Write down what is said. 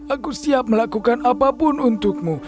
aku siap melakukan apapun untukmu